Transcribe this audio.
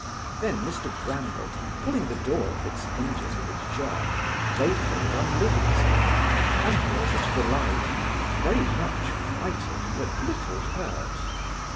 Then Mr Bramble, pulling the door off its hinges with a jerk, laid hold on Liddy's arm, and brought her to the light; very much frighted, but little hurt.